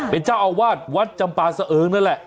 เป็นเจ้าอาวาสวัดจำปาเสเอิงนั่นแหละ